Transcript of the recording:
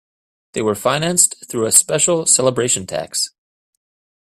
They were financed through a special celebration tax.